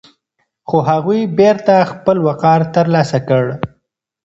خو هغوی بېرته خپل وقار ترلاسه کړ.